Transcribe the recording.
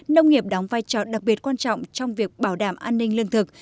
nông nghiệp đóng vai trò đặc biệt quan trọng trong việc bảo đảm an ninh lương thực